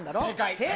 正解。